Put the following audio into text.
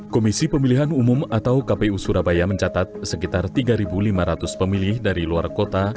komisi pemilihan umum atau kpu surabaya mencatat sekitar tiga lima ratus pemilih dari luar kota